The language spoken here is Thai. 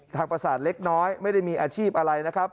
ประสาทเล็กน้อยไม่ได้มีอาชีพอะไรนะครับ